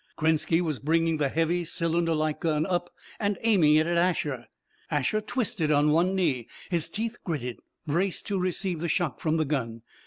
Krenski was bringing the heavy, cylinderlike gun up and aiming it at Asher. Asher twisted on one knee, his teeth gritted, braced to receive the shock from the gun.